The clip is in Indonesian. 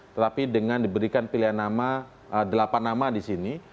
tetapi dengan diberikan pilihan nama delapan nama di sini